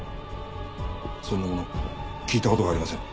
そんなもの聞いた事がありません。